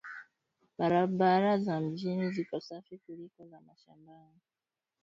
Barabara za mjini ziko safi kuliko za mashambani